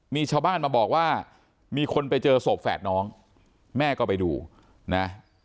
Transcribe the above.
มีชาวบ้านมาบอกว่ามีคนไปเจอศพแฝดน้องแม่ก็ไปดูนะ